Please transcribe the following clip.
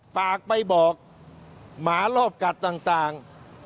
ฝากไปบอกหมารอบกัดต่าง